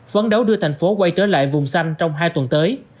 phấn đấu đưa thành phố quay trở lại vùng xanh trong hai tuần tới